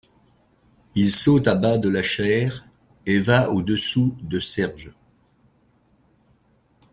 Il saute à bas de la chaire et va au-dessous de Serge.